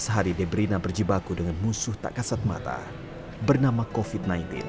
tujuh belas hari debrina berjibaku dengan musuh tak kasat mata bernama covid sembilan belas